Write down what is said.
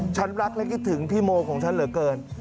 ฉันรักและคิดถึงพี่โมของฉันเหลือเกิน